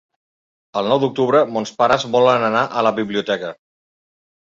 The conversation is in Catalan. El nou d'octubre mons pares volen anar a la biblioteca.